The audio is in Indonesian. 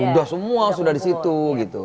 sudah semua sudah di situ gitu